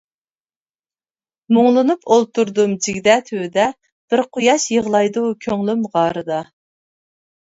مۇڭلىنىپ ئولتۇردۇم جىگدە تۈۋىدە، بىر قۇياش يىغلايدۇ كۆڭلۈم غارىدا.